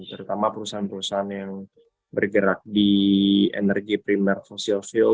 terutama perusahaan perusahaan yang bergerak di energi primer fosil fuel